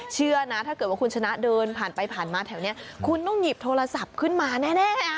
เชื่อนะถ้าเกิดว่าคุณชนะเดินผ่านไปผ่านมาแถวนี้คุณต้องหยิบโทรศัพท์ขึ้นมาแน่